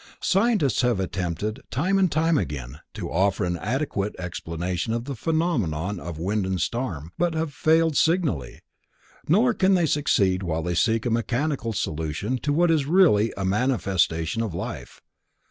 Scientists have attempted time and again to offer an adequate explanation of the phenomenon of wind and storm but have failed signally, nor can they succeed while they seek a mechanical solution to what is really a manifestation of life.